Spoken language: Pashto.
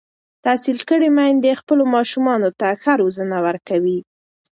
تحصیل کړې میندې خپلو ماشومانو ته ښه روزنه ورکوي.